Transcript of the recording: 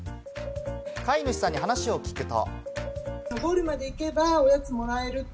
飼い主さんに話を聞くと。